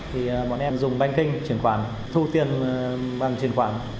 với thủ đoạn đó